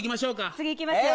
次行きますよ。